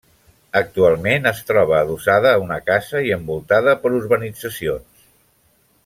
Actualment es troba adossada a una casa i envoltada per urbanitzacions.